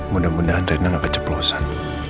mudah mudahan rena nggak keceplosan